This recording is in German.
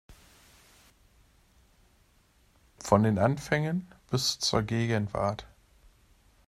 Von den Anfängen bis zur Gegenwart".